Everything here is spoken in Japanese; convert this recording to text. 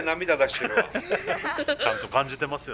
ちゃんと感じてますよね。